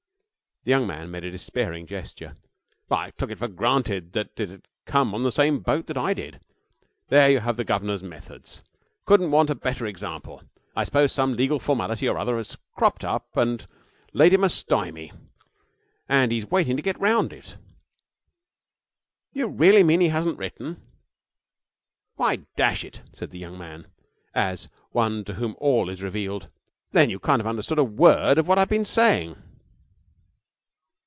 The young man made a despairing gesture. 'I took it for granted that it had come on the same boat that I did. There you have the governor's methods! Couldn't want a better example. I suppose some legal formality or other has cropped up and laid him a stymie, and he's waiting to get round it. You really mean he hasn't written? 'Why, dash it,' said the young man, as one to whom all is revealed, 'then you can't have understood a word of what I've been saying!'